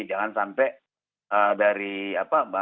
jangan sampai dari apa nanti terus bisa ya